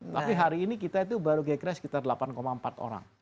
tapi hari ini kita itu baru gecre sekitar delapan empat orang